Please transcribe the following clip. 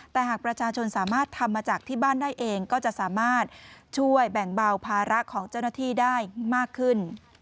แต่หากประชาชนสามารถทำมาจากที่บ้านได้เองก็จะสามารถช่วยแบ่งเบาภาระของเจ้าหน้าที่ได้มากขึ้น